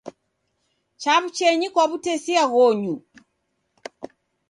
Chaw'uchaenyi kwa w'utesia ghonyu.